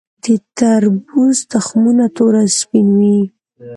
د تربوز تخمونه تور او سپین وي.